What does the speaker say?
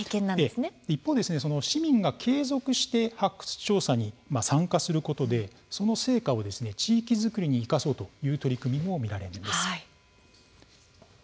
一方で、市民が継続して発掘調査に参加することでその成果を地域づくりに生かそうという取り組みも見られます。